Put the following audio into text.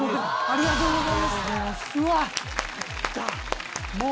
ありがとうございます！